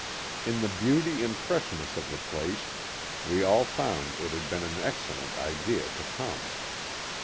In the beauty and fresh ness of the place we all found it had been an excellent idea to come.